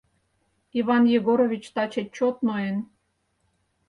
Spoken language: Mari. Иван Егорович таче чот ноен.